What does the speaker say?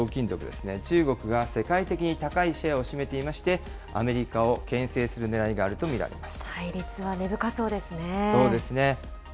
これらの希少金属ですね、中国が世界的に高いシェアを占めていまして、アメリカをけん制するねらいがあると見られます。